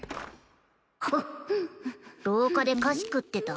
廊下で菓子食ってた。